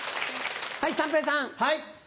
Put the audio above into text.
はい三平さん。はい。